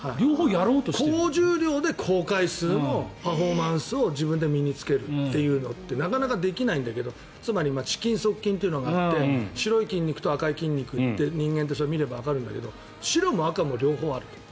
高重量で高回数のパフォーマンスを自分で身に着けるというのってなかなかできないんだけどつまり遅筋速筋というのがあって白い筋肉と赤い筋肉って人間、見ればわかるんだけど白も赤も両方ある。